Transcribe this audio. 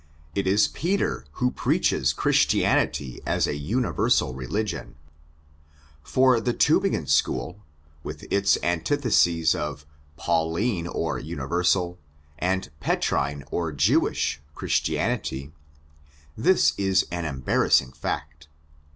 It is Peter who preaches Christianity as a universal religion. For the Tiibingen school, with its antithesis of Pauline or universal and Petrine or Jewish Christianity, this is an embarrassing fact.